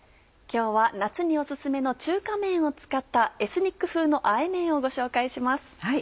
今日は夏にオススメの中華めんを使ったエスニック風のあえめんをご紹介します。